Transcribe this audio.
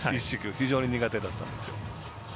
非常に苦手だったんですよ。